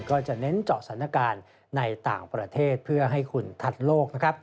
ก็จะเน้นเจาะสถานการณ์ในต่างประเทศเพื่อให้คุณทัดโลกนะครับ